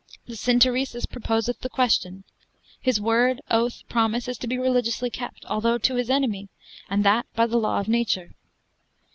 The synteresis proposeth the question; his word, oath, promise, is to be religiously kept, although to his enemy, and that by the law of nature.